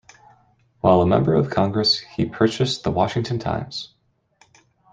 While a member of Congress he purchased the "Washington Times".